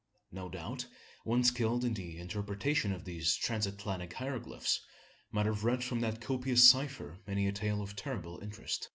No doubt, one skilled in the interpretation of these Transatlantic hieroglyphs, might have read from that copious cipher many a tale of terrible interest.